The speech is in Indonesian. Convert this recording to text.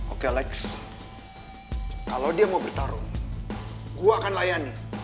oke lex kalo dia mau bertarung gua akan layani